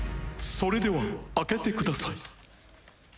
それでは開けてください。